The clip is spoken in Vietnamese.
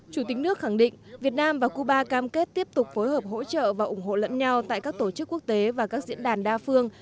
chủ tịch nước khẳng định việt nam và cuba cam kết tiếp tục phối hợp hỗ trợ và ủng hộ lẫn nhau tại các tổ chức quốc tế và các diễn đàn đa phương